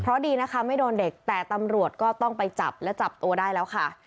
เพราะดีนะคะไม่โดนเด็กแต่ตำรวจก็ต้องไปจับและจับตัวได้แล้วค่ะ